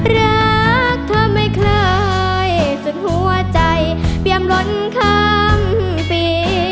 รักเธอไม่เคยสุดหัวใจเปรียมล้นข้ามปี